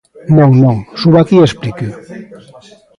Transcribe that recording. Non, non, suba aquí e explíqueo.